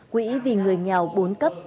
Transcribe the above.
quỹ vì người nghèo bốn cấp